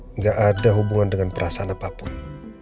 tidak ada hubungan dengan perasaan apapun